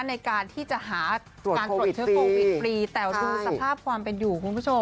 ในการที่จะหาการตรวจเชื้อโควิดฟรีแต่ดูสภาพความเป็นอยู่คุณผู้ชม